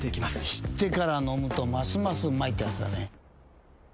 知ってから飲むとますますうまいってやつだね。